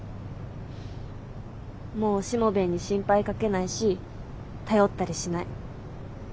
もうしもべえに心配かけないし頼ったりしない。